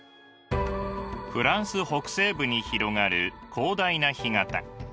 フランス北西部に広がる広大な干潟。